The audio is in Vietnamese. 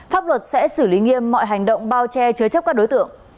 pháp luật sẽ xử lý nghiêm mọi hành động bao che chứa chấp các đối tượng